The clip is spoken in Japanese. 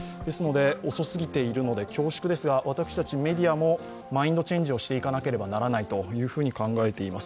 遅すぎているので恐縮ですが、私たちメディアもマインドチェンジをしていかなければならないと考えています。